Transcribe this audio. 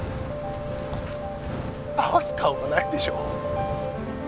合わす顔がないでしょ